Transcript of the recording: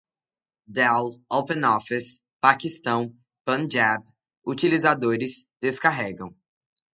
dell, openoffice, paquistão, punjab, utilizadores, descarregam